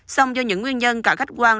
song do những nguyên nhân cả khách quan